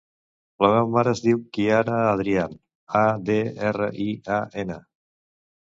La meva mare es diu Chiara Adrian: a, de, erra, i, a, ena.